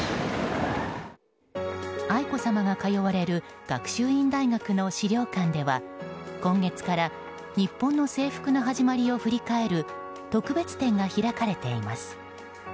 愛子さまが通われる学習院大学の史料館では今月から日本の制服の始まりを振り返る特別展が開かれています。